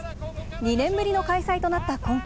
２年ぶりの開催となった今回。